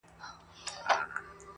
که په ژړا کي مصلحت وو، خندا څه ډول وه؟